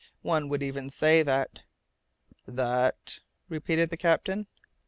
One would even say that " "That " repeated the captain.